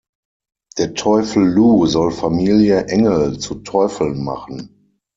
Der Teufel Lou soll Familie Engel zu Teufeln machen.